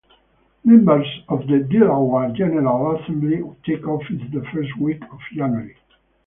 Members of the Delaware General Assembly take office the first week of January.